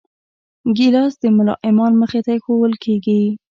ګیلاس د ملا امام مخې ته ایښوول کېږي.